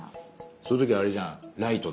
そういう時あれじゃんライトだ。